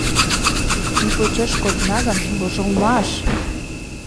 Ме почеш кодына гын, вожылмаш!